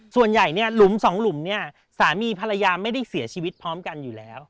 ส่วนใหญ่หลุม๒หลุมสามีภรรยาไม่ได้เสียชีวิตพร้อมกันอยู่แล้ว